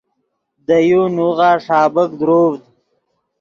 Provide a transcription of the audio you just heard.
دے یو نوغہ ݰابیک دروڤد